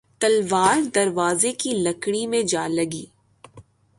تلوار دروازے کی لکڑی میں جا لگی